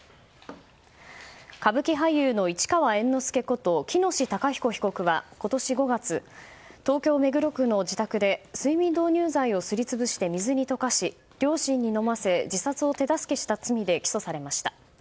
歌舞伎俳優の市川猿之助こと喜熨斗孝彦被告は今年５月東京・目黒区の自宅で睡眠導入剤をすり潰して水に溶かし両親に飲ませ自殺を手助けした罪で起訴されました。